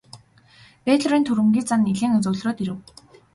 Бэйлорын түрэмгий зан нилээн зөөлрөөд ирэв.